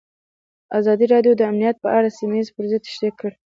ازادي راډیو د امنیت په اړه سیمه ییزې پروژې تشریح کړې.